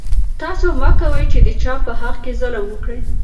تاسو مه کوئ چې د چا په حق کې ظلم وکړئ.